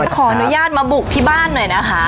ขออนุญาตมาบุกที่บ้านหน่อยนะคะ